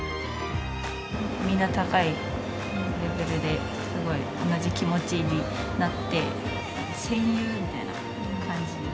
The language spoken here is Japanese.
みんな高いレベルで同じ気持ちになって戦友みたいな感じに。